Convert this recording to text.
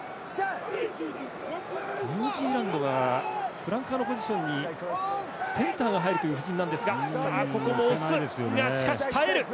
ニュージーランドはフランカーのポジションにセンターが入るという布陣。